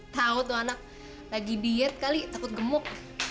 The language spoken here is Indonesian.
tahu tuh anak lagi diet kali takut gemuk